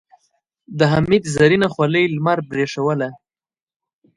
د حميد زرينه خولۍ لمر برېښوله.